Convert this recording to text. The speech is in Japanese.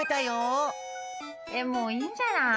もういいんじゃない？